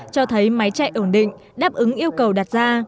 cho thấy máy chạy ổn định đáp ứng yêu cầu đặt ra